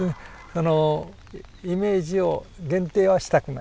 あのイメージを限定はしたくない。